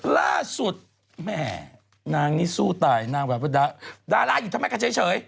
ล่าสุดแม่นางนี่สู้ตายนางแบบว่าดาราอยู่ทำไมกันเฉย